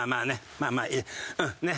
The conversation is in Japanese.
まあまあうんねっ！